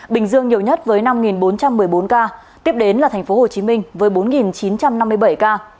bình dương nhiều nhất với năm bốn trăm một mươi bốn ca tiếp đến là tp hcm với bốn chín trăm năm mươi bảy ca